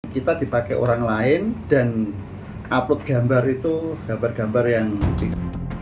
kita dipakai orang lain dan upload gambar itu gambar gambar yang penting